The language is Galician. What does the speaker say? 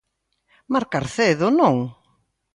Marcar cedo non?